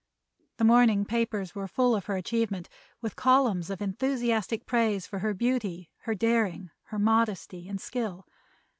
The morning papers were full of her achievement, with columns of enthusiastic praise for her beauty, her daring, her modesty and skill.